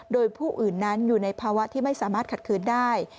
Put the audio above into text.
โดยผู้อื่นนั้นอยู่ในภาวะที่ไม่สามารถขัดคืนได้